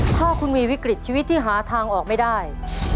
ถ้าคุณมีวิกฤตชีวิตที่หาทางออกไม่ได้